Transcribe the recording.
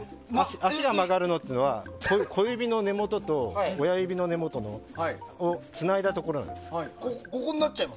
足が曲がるっていうのは小指の根元と親指の根元をつないだところなんです。